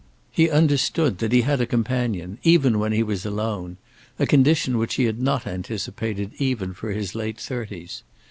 He understood that he had a companion, even when he was alone, a condition which he had not anticipated even for his late thirties.